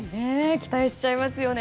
期待しちゃいますよね。